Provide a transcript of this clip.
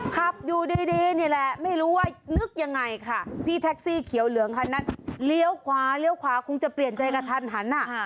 ขับอยู่ดีนี่แหละไม่รู้ว่านึกยังไงค่ะพี่แท็กซี่เขียวเหลืองคันนั้นเลี้ยวขวาเลี้ยวขวาคงจะเปลี่ยนใจกระทันหันอ่ะ